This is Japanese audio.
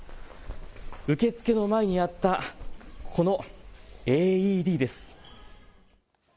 受付の前にあったこのＡＥＤです。